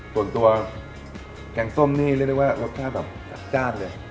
แกงส้มนี่เรียกได้ว่ารสชาติแบบจัดจ้านเลย